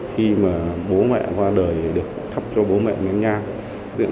khi mà bố mẹ qua đời thì được thắp cho bố mẹ nén nhang